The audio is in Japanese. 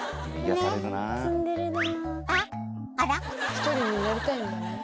１人になりたいんだね。